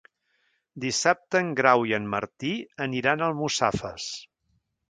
Dissabte en Grau i en Martí aniran a Almussafes.